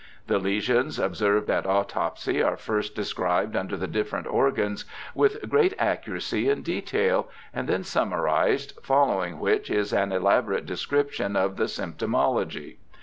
The lesions observed at autopsy are first described under the different organs, with great accuracy and detail, and then summarized, following which is an elaborate description of the symptomatology.